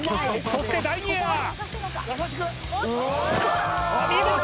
そして第２エアお見事！